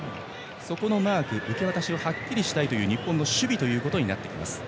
そのマークの受け渡しをはっきりしたいという日本の守備となってきます。